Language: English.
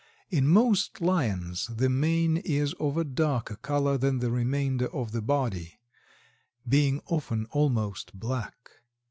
In most Lions the mane is of a darker color than the remainder of the body, being often almost black.